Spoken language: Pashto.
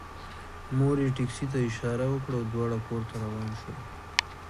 مور یې ټکسي ته اشاره وکړه او دواړه کور ته روان شول